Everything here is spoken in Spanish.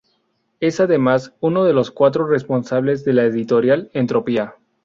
Es, además, uno de los cuatro responsables de la Editorial Entropía.